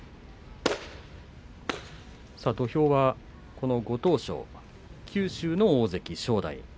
土俵はご当所、九州の大関正代